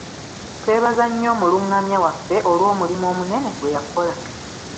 Twebaza nnyo omulungamya waffe olw'omulimu omunene gwe yakola.